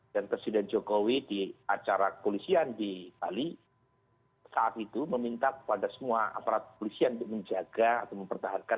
dan presiden jokowi di acara polisian di bali saat itu meminta kepada semua aparat polisian untuk menjaga atau mempertahankan polisian